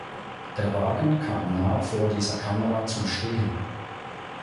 Der Wagen kam nah vor dieser Kamera zum Stehen.